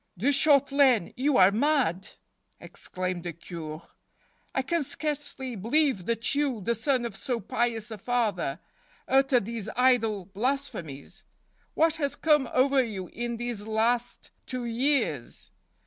" De Shautelaine, you are mad !" exclaimed the Cure. " I can scarcely believe that you, the son of so pious a father, utter these idle blasphemies. What has come over you in these last two years?